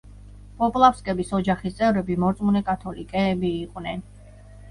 პოპლავსკების ოჯახის წევრები მორწმუნე კათოლიკეები იყვნენ.